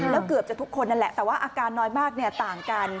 แล้วเกือบจะทุกคนนั่นแหละแต่ว่าอาการน้อยมากต่างกัน